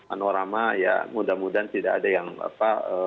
anorama ya mudah mudahan tidak ada yang apa